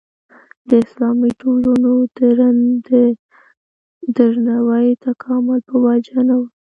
د اسلامي ټولنو د دروني تکامل په وجه نه وه.